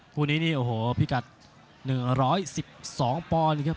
คู่นี้พี่กัศ๑๑๒ป